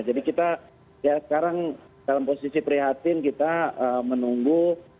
jadi kita ya sekarang dalam posisi prihatin kita menunggu